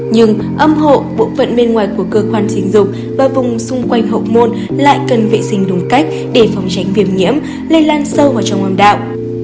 nhưng âm hộ bộ phận bên ngoài của cơ quan trình dục và vùng xung quanh học môn lại cần vệ sinh đúng cách để phòng tránh viêm nhiễm lây lan sâu vào trong âm đạo